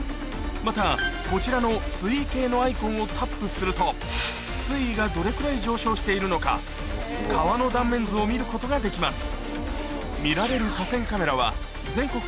またこちらの水位計のアイコンをタップすると水位がどれくらい上昇しているのか川の断面図を見ることができます